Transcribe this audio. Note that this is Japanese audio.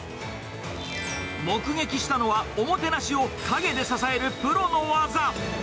目撃したのは、おもてなしを陰で支えるプロの技。